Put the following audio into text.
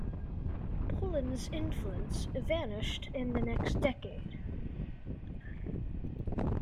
Poland's influence vanished in the next decade.